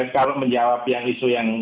kalau menjawab yang isu yang